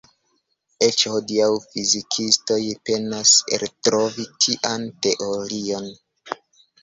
Eĉ hodiaŭ fizikistoj penas eltrovi tian teorion.